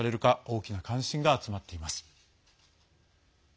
大きな関心が集まっています。